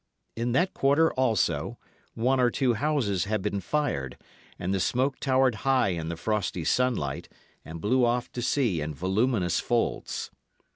In that quarter, also, one or two houses had been fired, and the smoke towered high in the frosty sunlight, and blew off to sea in voluminous folds.